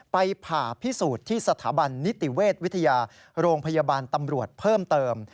ผ่าพิสูจน์ที่สถาบันนิติเวชวิทยาโรงพยาบาลตำรวจเพิ่มเติม